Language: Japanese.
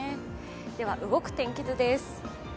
では、動く天気図です。